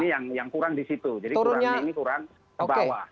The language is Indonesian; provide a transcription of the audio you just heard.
ini yang kurang di situ jadi kurangnya ini kurang ke bawah